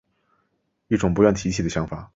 一种不愿提起的想法